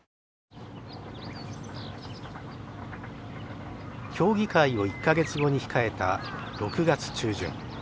競技会を１か月後に控えた６月中旬。